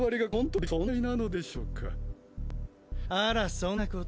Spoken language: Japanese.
あらそんなこと？